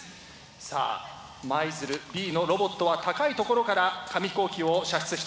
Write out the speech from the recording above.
さあ舞鶴Ｂのロボットは高い所から紙ヒコーキを射出しています。